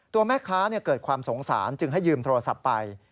ตัวแม่ค้าเกิดความสงสารจึงให้ยืมโทรศัพท์ไป